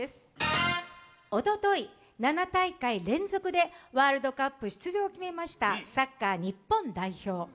おととい、７大会連続でワールドカップ出場を決めましたサッカー日本代表。